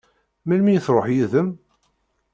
Melmi i tṛuḥ yid-m?